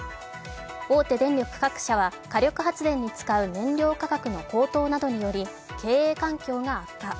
大手電力各社は火力発電に使う燃料価格の高騰などにより経営環境が悪化。